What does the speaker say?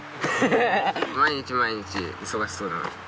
毎日毎日忙しそうだなって。